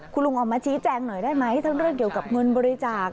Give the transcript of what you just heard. คุณลุงออกมาชี้แจงหน่อยได้ไหมทั้งเรื่องเกี่ยวกับเงินบริจาค